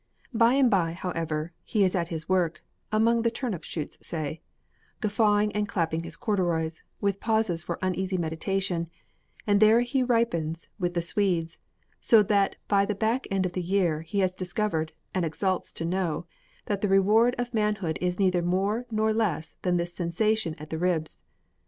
By and by, however, he is at his work among the turnip shoots, say guffawing and clapping his corduroys, with pauses for uneasy meditation, and there he ripens with the swedes, so that by the back end of the year he has discovered, and exults to know, that the reward of manhood is neither more nor less than this sensation at the ribs.